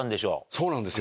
そうなんですよ